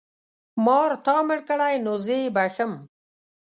مار تا مړ کړی نو زه یې بښم.